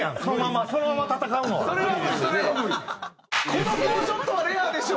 この４ショットはレアでしょ。